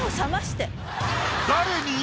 誰に？